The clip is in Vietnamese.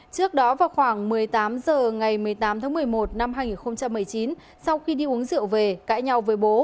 trước đó vào khoảng một mươi tám h ngày một mươi tám tháng một mươi một năm hai nghìn một mươi chín sau khi đi uống rượu về cãi nhau với bố